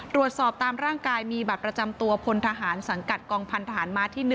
ตามร่างกายมีบัตรประจำตัวพลทหารสังกัดกองพันธหารมาที่๑